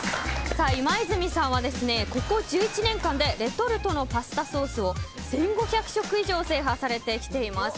今泉さんは、ここ１１年間でレトルトのパスタソースを１５００食以上制覇されてきています。